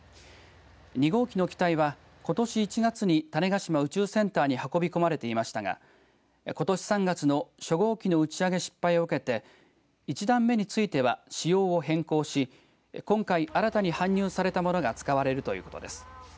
２号機の機体は、ことし１月に種子島宇宙センターに運び込まれていましたがことし３月の初号機の打ち上げ失敗を受けて１段目については仕様を変更し今回、新たに搬入されたものが使われるということです。